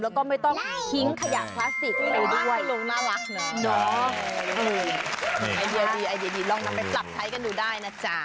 แล้วก็ไม่ต้องทิ้งขยะคลาสติกไปด้วย